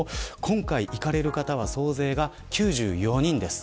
今回、行かれる方は総勢９４人です。